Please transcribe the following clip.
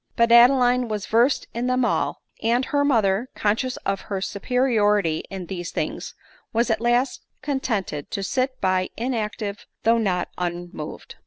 But Adeline was versed in them all ; and her mother, conscious of her superiority in these things, was at last contented to sit by inactive, though not unmoved.